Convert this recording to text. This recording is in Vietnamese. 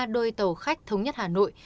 ba đôi tàu khách thống nhất hà nội